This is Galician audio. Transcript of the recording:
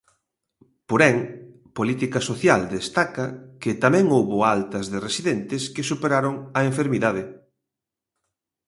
Porén, Política Social destaca que tamén houbo altas de residentes que superaron a enfermidade.